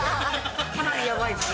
かなりやばいです。